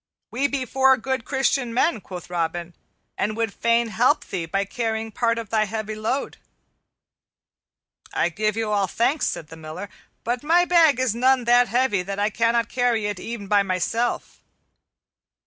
"We be four good Christian men," quoth Robin, "and would fain help thee by carrying part of thy heavy load." "I give you all thanks," said the Miller, "but my bag is none that heavy that I cannot carry it e'en by myself."